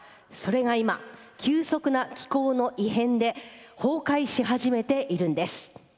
それが今、急速な気候の異変で崩壊し始めているんです。